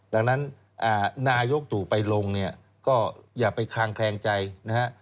ดังนั้นนายกศูนย์ไปลงเนี่ยก็อย่าไปครังแพงใจนะครับ